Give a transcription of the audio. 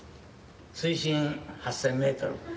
水深８０００メートル。